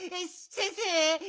先生！